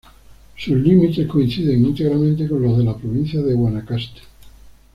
Sus límites coinciden íntegramente con los de la provincia de Guanacaste.